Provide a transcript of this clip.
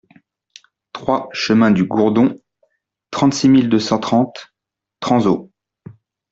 trois chemin du Gourdon, trente-six mille deux cent trente Tranzault